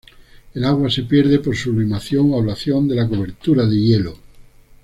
El agua se pierde por sublimación o ablación de la cobertura de hielo.